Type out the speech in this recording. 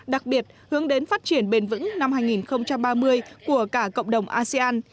đặc biệt hướng đến phát triển bền vững năm hai nghìn ba mươi của cả cộng đồng asean